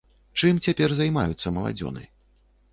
Чым цяпер займаюцца маладзёны?